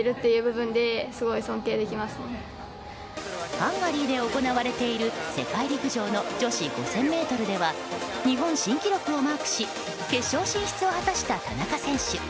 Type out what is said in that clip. ハンガリーで行われている世界陸上の女子５０００ｍでは日本新記録をマークし決勝進出を果たした田中選手。